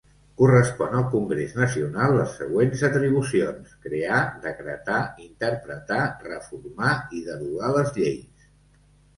Correspon al Congrés Nacional les següents atribucions: crear, decretar, interpretar, reformar i derogar les lleis.